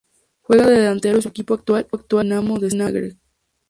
Juega de delantero y su equipo actual es el Dinamo de Zagreb.